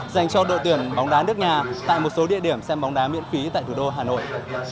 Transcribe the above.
dành cho đội tuyển bóng đá nước nhà tại một số địa điểm xem bóng đá miễn phí tại thủ đô hà nội